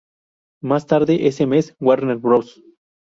Más tarde ese mes, Warner Bros.